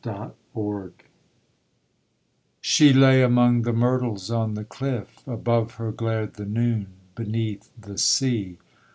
SAPPHO She lay among the myrtles on the cliff; Above her glared the noon; beneath, the sea.